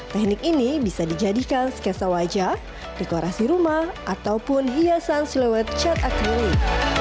teknik ini bisa dijadikan sketsa wajah dekorasi rumah ataupun hiasan selewet cat akademik